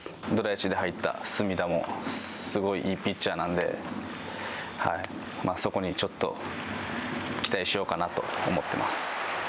ドラ１で入った隅田もすごいいいピッチャーなんで、そこにちょっと期待しようかなと思ってます。